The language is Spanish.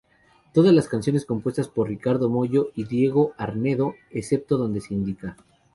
Todas las canciones compuestas por Ricardo Mollo y Diego Arnedo excepto donde se indica.